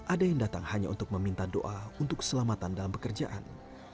ada yang datang hanya untuk meminta doa untuk keselamatan dalam pekerjaan